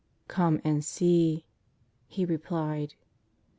" Come and see," He replied.